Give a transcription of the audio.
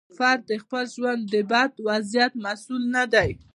فرد د خپل ژوند د بد وضعیت مسوول نه دی.